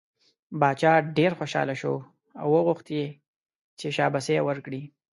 باچا ډېر خوشحاله شو او وغوښت یې چې شاباسی ورکړي.